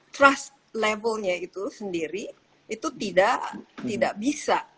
trust levelnya itu sendiri itu tidak bisa